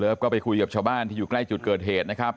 แล้วก็ไปคุยกับชาวบ้านที่อยู่ใกล้จุดเกิดเหตุนะครับ